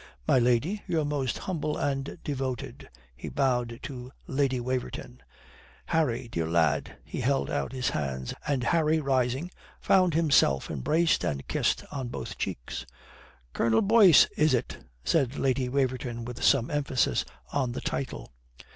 "My lady, your most humble and devoted," he bowed to Lady Waverton. "Harry, dear lad," he held out his hands, and Harry, rising, found himself embraced and kissed on both cheeks. "Colonel Boyce is it?" said Lady Waverton with some emphasis on the title.